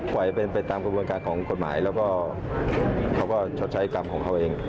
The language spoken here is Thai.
ปล่อยเป็นไปตามกระบวนการของกฎหมายแล้วก็เขาก็ชดใช้กรรมของเขาเอง